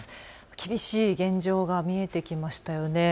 厳しい現状が見えてきましたよね。